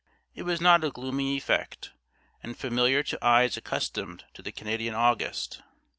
It was not a gloomy effect, and familiar to eyes accustomed to the Canadian August.